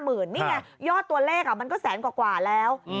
นี่ไงยอดตัวเลขมันก็แสนกว่าแล้ว